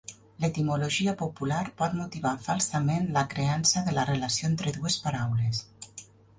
L'etimologia popular pot motivar falsament la creença de la relació entre dues paraules.